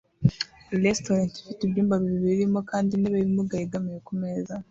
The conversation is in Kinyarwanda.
Restaurant ifite ibyumba bibiri irimo kandi intebe y’ibimuga yegamiye kumeza